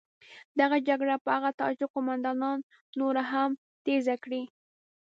دغه جګړه به هغه تاجک قوماندانان نوره هم تېزه کړي.